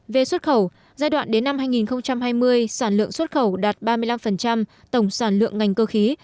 về xuất khẩu giai đoạn đến năm hai nghìn hai mươi sản lượng xuất khẩu đạt ba mươi năm tổng sản lượng ngành cơ khí